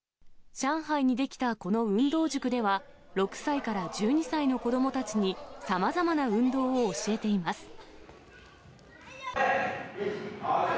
上海に出来たこの運動塾では、６歳から１２歳の子どもたちにさまざまな運動を教えています。